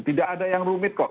tidak ada yang rumit kok